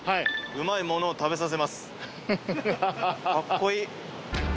「うまいものを食べさせます」。